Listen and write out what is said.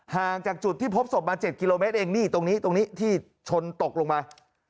ห่างจากจุดที่พบศพมา๗กิโลเมตรเองนี่ตรงนี้ตรงนี้ที่ชนตกลงมา